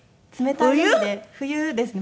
冬ですね。